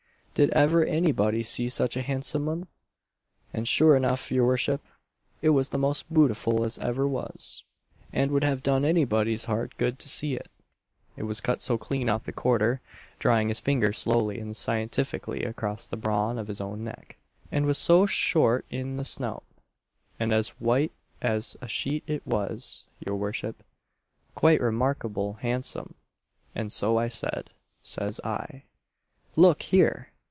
'Did ever any body see such a handsome un?' And sure enough, your worship, it was the most bootiful as ever was; and would have done anybody's heart good to see it it was cut so clean off the quarter (drawing his finger slowly and scientifically across the brawn of his own neck,) and was so short i' the snout, and as white as a sheet it was, your worship; quite remarkable handsome. And so I said, says I, 'Look here!